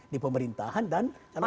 di pemerintahan dan calon presiden